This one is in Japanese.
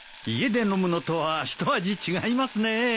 家で飲むのとは一味違いますね。